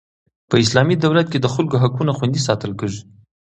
په اسلامي دولت کښي د خلکو حقونه خوندي ساتل کیږي.